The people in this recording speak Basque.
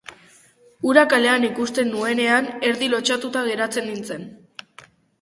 Hura kalean ikusten nuenean erdi lotsatuta geratzen nintzen.